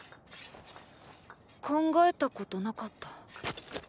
考えたことなかった。